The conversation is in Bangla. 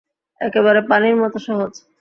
একেবারে পানির মতো সহজ!